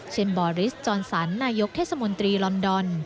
บอริสจอนสันนายกเทศมนตรีลอนดอน